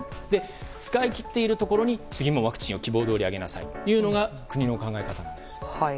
使い切っているところに次もワクチンを希望どおりあげなさいというのが国の考え方なんです。